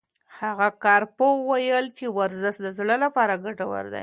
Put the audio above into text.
هغه کارپوه وویل چې ورزش د زړه لپاره ګټور دی.